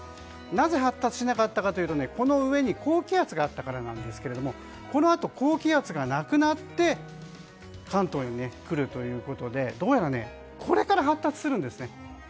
なぜ発達しなかったかというとこの上に高気圧があったからなんですがこのあと、高気圧がなくなって関東に来るということでどうやらこれから発達するんですね。